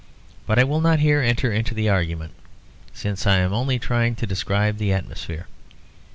But I will not here enter into the argument, since I am only trying to describe the atmosphere.